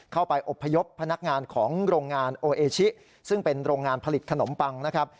เข้าไปอบพยพพนักงานของโรงงานโอเอชิซึ่งเป็นโรงงานผลิตขนมปังนะครับ